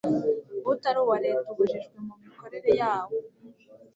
utari uwa Leta ubujijwe mu mikorere yawo